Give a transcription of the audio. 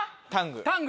タング。